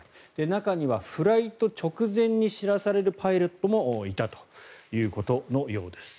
中にはフライト直前に知らされるパイロットもいたということのようです。